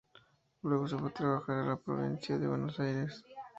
Luego se fue a trabajar a la provincia de Buenos Aires.